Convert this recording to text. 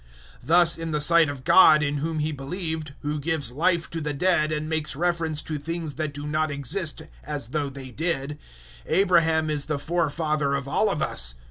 Thus in the sight of God in whom he believed, who gives life to the dead and makes reference to things that do not exist, as though they did, Abraham is the forefather of all of us.